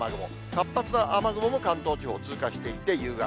活発な雨雲も関東地方、通過していって、夕方。